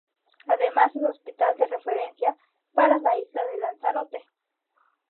Además es hospital de referencia para la isla de Lanzarote.